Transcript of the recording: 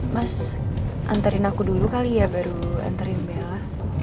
mas anterin aku dulu kali ya baru anterin bella